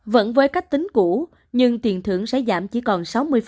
vẫn với cách tính cũ nhưng tiền thưởng sẽ giảm chỉ còn sáu mươi